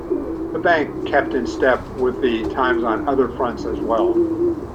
The bank kept in step with the times on other fronts as well.